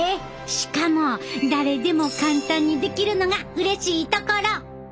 しかも誰でも簡単にできるのがうれしいところ！